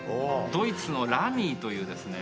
ドイツのラミーというですね